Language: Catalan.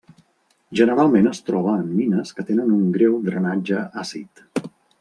Generalment es troba en mines que tenen un greu drenatge àcid.